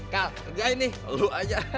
kal kegain nih lo aja